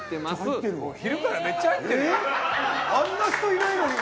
あんな人いないのに！